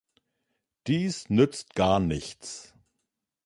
Dies nützt gar nichts.